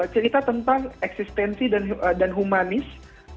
cerita tentang eksistensi dan humanis